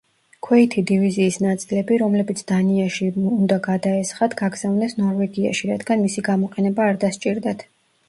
ქვეითი დივიზიის ნაწილები, რომლებიც დანიაში უნდა გადაესხათ, გაგზავნეს ნორვეგიაში, რადგან მისი გამოყენება არ დასჭირდათ.